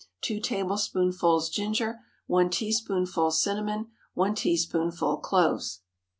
2 tablespoonfuls ginger. 1 teaspoonful cinnamon. 1 teaspoonful cloves.